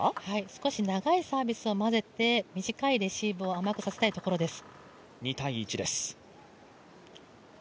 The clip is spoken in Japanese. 少し長いサービスを混ぜて短いレシーブを甘くさせたいところです。